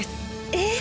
えっ？